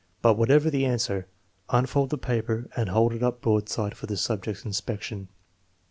But whatever the answer, unfold the paper and hold it up broadside for the subject's inspection.